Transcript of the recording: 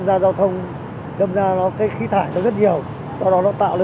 cảm thấy là